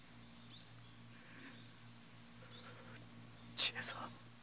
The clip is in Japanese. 千恵さん。